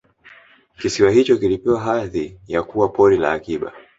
kisiwa hicho kilipewa hadhi ya kuwa Pori la Akiba